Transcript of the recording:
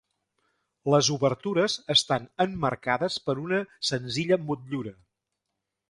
Les obertures estan emmarcades per una senzilla motllura.